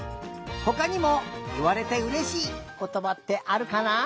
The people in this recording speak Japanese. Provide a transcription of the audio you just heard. ほかにもいわれてうれしいことばってあるかな？